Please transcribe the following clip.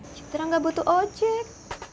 citra gak butuh ojek